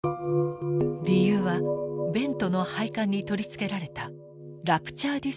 理由はベントの配管に取り付けられたラプチャーディスクの存在です。